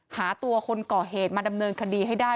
หาตัวคนก่อเหตุมาดำเนินคดีให้ได้